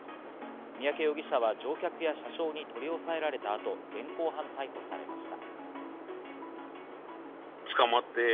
三宅容疑者は乗客や車掌に取り押さえられた後、現行犯逮捕されました。